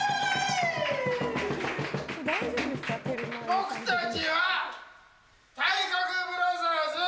僕たちは体格ブラザーズ